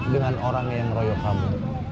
dengan orang yang royok kamu